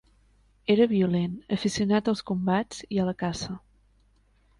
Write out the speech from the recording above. Era violent, aficionat als combats i a la caça.